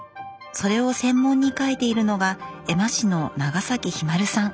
それを専門に描いているのが絵馬師の永崎ひまるさん。